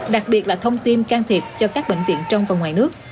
đặc biệt là thông tin can thiệp cho các bệnh viện trong và ngoài nước